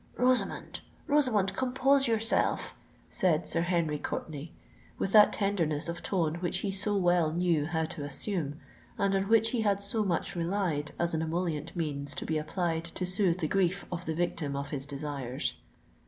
"Rosamond—Rosamond, compose yourself!" said Sir Henry Courtenay, with that tenderness of tone which he so well knew how to assume, and on which he had so much relied as an emollient means to be applied to soothe the grief of the victim of his desires.